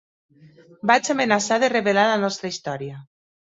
Vaig amenaçar de revelar la nostra història.